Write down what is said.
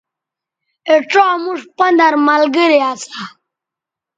اے ڇا موش پندَر ملگرے اسا